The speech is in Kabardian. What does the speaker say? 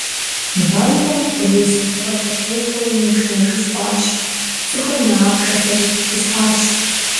Банкым къулейсызыгъэ къытехуэри мыпшынэжыф хъуащ, цӏыхухэм я ахъшэхэри хисхьащ.